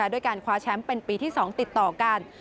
ด้วยการคว้าแชมป์เป็นปีที่๒ติดต่อกัน